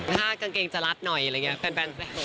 ถ้ากางเกงจะรัดหน่อยอะไรอย่างนี้